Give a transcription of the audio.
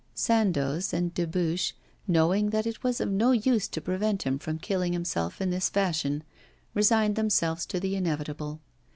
Sandoz and Dubuche, knowing that it was of no use to prevent him from killing himself in this fashion, resigned themselves to the inevitable.